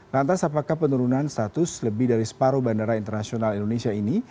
lantas apakah penurunan status lebih dari separuh bandara internasional indonesia ini